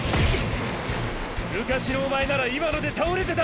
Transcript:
昔のおまえなら今ので倒れてた！